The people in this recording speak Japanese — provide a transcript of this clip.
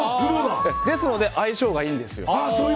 ですので相性がいいんですよ。